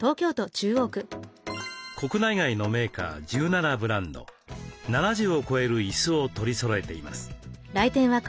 国内外のメーカー１７ブランド７０を超える椅子を取りそろえています。